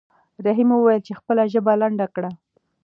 رحیم وویل چې خپله ژبه لنډه کړه.